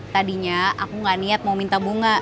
tadinya aku gak niat mau minta bunga